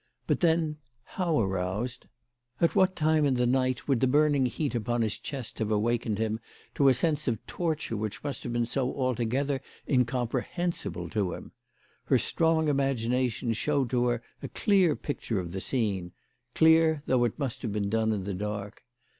But then how aroused ? At what time in the night 230 CHRISTMAS AT THOMPSON HALL. would the burning heat upon his chest have awakened him to a sense of torture which must have been so altogether incomprehensible to him ? Her strong imagination showed to her a clear picture of the scene, clear, though it must have been done in the dark.